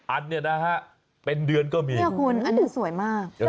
อันนี้นะฮะเป็นเดือนก็มีเนี่ยคุณอันนั้นสวยมาก